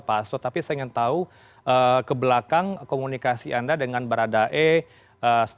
pak hasto tapi saya ingin tahu kebelakang komunikasi anda dengan barada eliezer